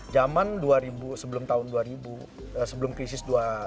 zaman sebelum krisis seribu sembilan ratus sembilan puluh tujuh seribu sembilan ratus sembilan puluh delapan